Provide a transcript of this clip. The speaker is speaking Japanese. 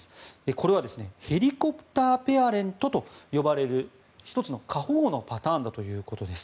これはヘリコプター・ペアレントと呼ばれる１つの過保護のパターンだということです。